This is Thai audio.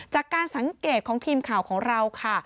จากการสังเกตของทีมข่าวของเราค่ะ